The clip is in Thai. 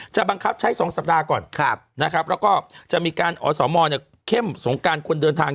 บังคับใช้๒สัปดาห์ก่อนนะครับแล้วก็จะมีการอสมเข้มสงการคนเดินทาง